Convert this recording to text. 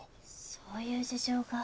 そういう事情が。